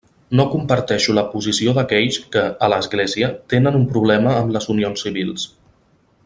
No comparteixo la posició d'aquells que, a l'Església, tenen un problema amb les unions civils.